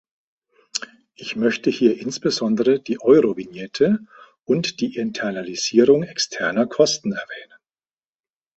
Ich möchte hier insbesondere die Eurovignette und die Internalisierung externer Kosten erwähnen.